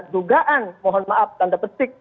dugaan mohon maaf tanda petik